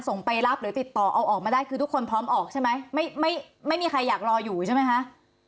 ไปรับหรือติดต่อเอาออกมาได้คือทุกคนพร้อมออกใช่ไหมไม่ไม่ไม่มีใครอยากรออยู่ใช่ไหมคะ